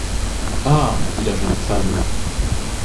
Ah ! dit la jeune femme.